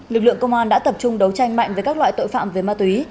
lực lượng công an đã tập trung đấu tranh mạnh với các loại tội phạm về ma túy